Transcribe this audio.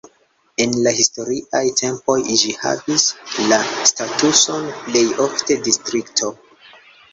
En la historiaj tempoj ĝi havis la statuson plej ofte distrikto.